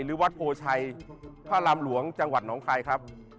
หรือวัดโพชัยพระรามหลวงจังหวัดหนองคายครับ